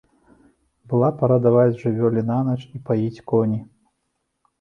Была пара даваць жывёле нанач і паіць коні.